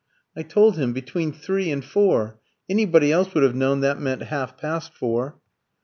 "I told him between three and four. Anybody else would have known that meant half past four."